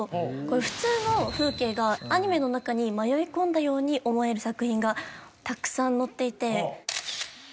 普通の風景がアニメの中に迷い込んだように思える作品がたくさん載っていて。